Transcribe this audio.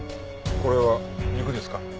これは肉ですか？